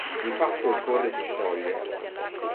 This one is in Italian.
Di fatto, il Corre si scioglie.